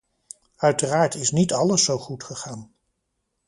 Uiteraard is niet alles zo goed gegaan.